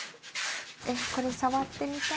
えっこれ触ってみたい。